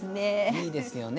いいですよね